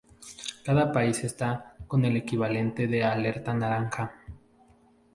Cada país está con el equivalente de alerta naranja.